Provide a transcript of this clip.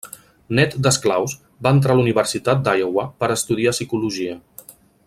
Nét d'esclaus, va entrar a la Universitat d'Iowa per estudiar psicologia.